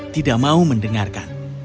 tidak mau mendengarkan